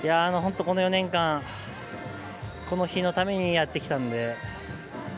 この４年間この日のためにやってきたので。